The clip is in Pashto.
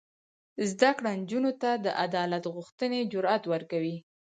زده کړه نجونو ته د عدالت غوښتنې جرات ورکوي.